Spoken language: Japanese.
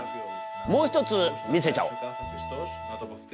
もう一つ見せちゃおう。